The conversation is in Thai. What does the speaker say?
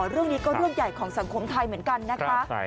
เรื่องนี้ก็เรื่องใหญ่ของสังคมไทยเหมือนกันนะคะ